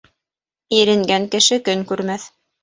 Иренгән кеше көн күрмәҫ.